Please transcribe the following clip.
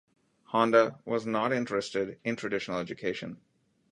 Honda was not interested in traditional education.